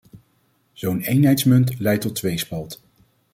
Zo'n eenheidsmunt leidt tot tweespalt.